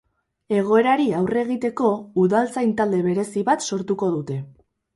Egoerari aurre egiteko, udaltzain talde berezi bat sortuko dute.